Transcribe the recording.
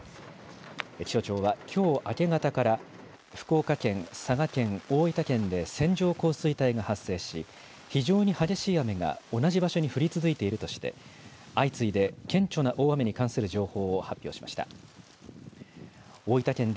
気象庁はきょう明け方から福岡県、佐賀県、大分県で線状降水帯が発生し、非常に激しい雨が同じ場所に降り続いているとして、相次いで顕著な大雨に関する情報を発表しました。